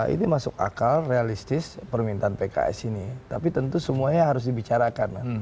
ini masuk akal realistis permintaan pks ini tapi tentu semuanya harus dibicarakan